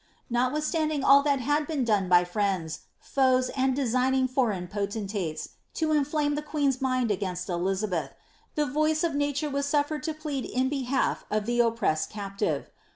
^ Noiwith »'^nding all that had been done by friends, foes, and designing foreign fr'tentates, to inflame the queen's mind against Elizabeth, the voice of cainre was suflcred to plead in behalf of the oppressetl captive.